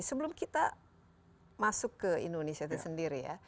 tapi kita tidak masuk ke indonesia itu sendiri ya